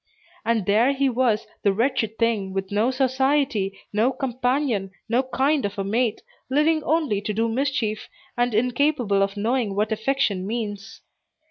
And there he was, the wretched thing, with no society, no companion, no kind of a mate, living only to do mischief, and incapable of knowing what affection means.